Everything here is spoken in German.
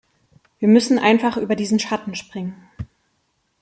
Wir müssen einfach über diesen Schatten springen.